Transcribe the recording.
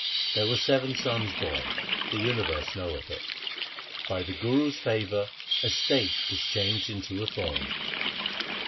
There were seven sons born ; the universe knoweth it. By the Guru's favour a stake is changed into a thorn.